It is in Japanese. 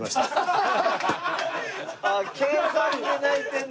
あっ計算で泣いてるの？